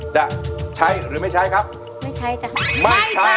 จะใช้หรือไม่ใช้ครับไม่ใช้จ้ะ